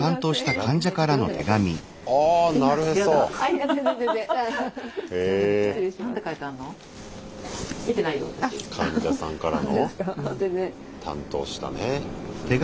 患者さんからの担当したね。